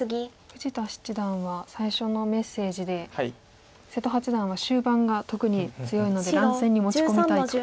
富士田七段は最初のメッセージで「瀬戸八段は終盤が特に強いので乱戦に持ち込みたい」と。